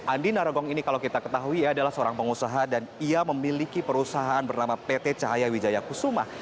andi narogong ini kalau kita ketahui adalah seorang pengusaha dan ia memiliki perusahaan bernama pt cahaya wijaya kusuma